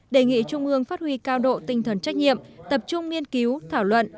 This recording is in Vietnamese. đề nghị trung ương phát huy cao độ tinh thần trách nhiệm tập trung nghiên cứu thảo luận